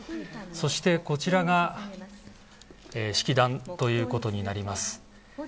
そして、こちらが式壇ということになります。